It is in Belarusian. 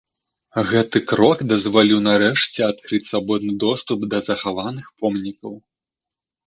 Гэты крок дазволіў нарэшце адкрыць свабодны доступ да захаваных помнікаў.